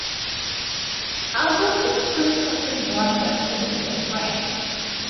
Albert is Chris's cousin rather than simply a friend.